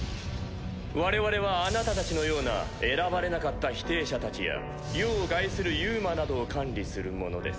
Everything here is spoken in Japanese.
我々はあなたたちのような選ばれなかった否定者たちや世を害するＵＭＡなどを管理する者です。